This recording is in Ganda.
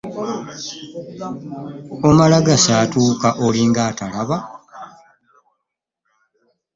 Omala gasaatuuka olinga atalaba!